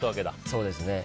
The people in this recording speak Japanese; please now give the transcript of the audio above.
そうですね。